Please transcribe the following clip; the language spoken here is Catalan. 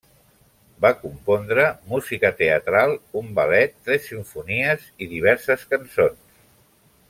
Va compondre música teatral, un ballet, tres simfonies i diverses cançons.